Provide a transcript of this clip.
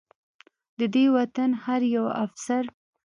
د دې وطن هر يو افسر